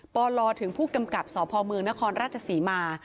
ปลถึงผู้กำกับสพเมืองนครราชศรีมา